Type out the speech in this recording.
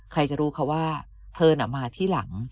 ใครจะรู้ค่ะว่าเธอน่ะมาที่หลัง